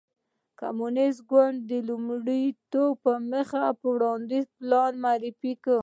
کمونېست ګوند د لوی ټوپ مخ په وړاندې پلان معرفي کړ.